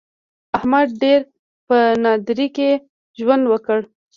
احمد ډېر په نادارۍ کې ژوند وکړ.